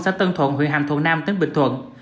xã tân thuận huyện hàm thuận nam tỉnh bình thuận